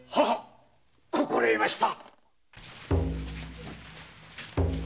心得ました。